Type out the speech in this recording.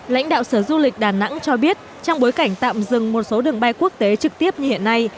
lãnh đạo sở du lịch đà nẵng cho biết trong bối cảnh tạm dừng một số đường bay quốc tế trực tiếp như hiện nay